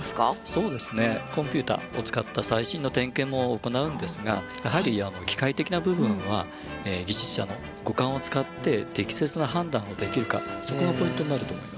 そうですねコンピューターを使った最新の点検も行うんですがやはり機械的な部分は技術者の五感を使って適切な判断ができるかそこがポイントになると思います。